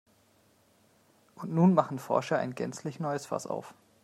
Und nun machen Forscher ein gänzlich neues Fass auf.